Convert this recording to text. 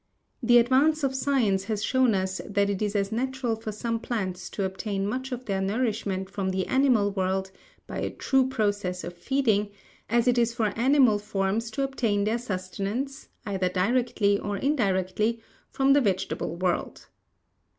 The advance of science has shown us that it is as natural for some plants to obtain much of their nourishment from the animal world, by a true process of feeding, as it is for animal forms to obtain their sustenance, either directly or indirectly, from the vegetable world.